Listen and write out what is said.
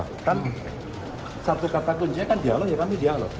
kan satu kata kuncinya kan dialog ya kami dialog